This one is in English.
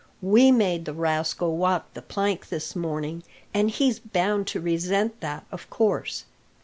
We made the rascal walk the plank this morning, and he's bound to resent that, of course.